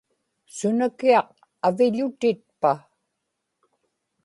sunakiaq aviḷutitpa